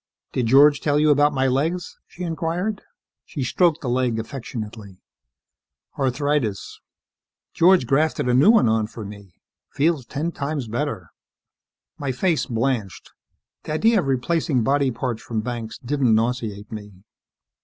"Did George tell you about my legs?" she inquired. She stroked the leg affectionately. "Arthritis. George grafted a new one on for me. Feels ten times better." My face blanched. The idea of replacing body parts from Banks didn't nauseate me.